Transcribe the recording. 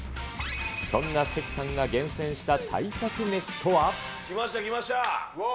そんな関さんが厳選した体格メシとは。来ました、来ました。